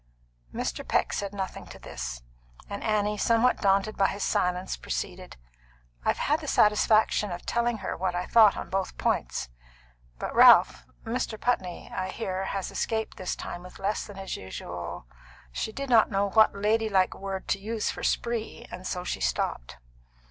Mr. Peck said nothing to this, and Annie, somewhat daunted by his silence, proceeded. "I've had the satisfaction of telling her what I thought on both points. But Ralph Mr. Putney I hear, has escaped this time with less than his usual " She did not know what lady like word to use for spree, and so she stopped.